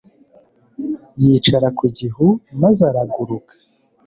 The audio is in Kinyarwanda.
Yicara ku gihu maze araguruka